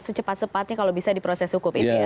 secepat sepatnya kalau bisa diproses hukum ini ya